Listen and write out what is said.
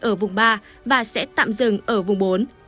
ở vùng ba và sẽ tạm dừng ở vùng bốn